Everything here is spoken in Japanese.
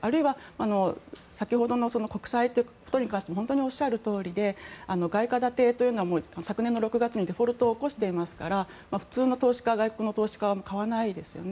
あるいは、先ほどの国債ということに関しても本当におっしゃるとおりで外貨建てというのは昨年の６月にデフォルトを起こしていますから普通の外国の投資家は買わないですよね。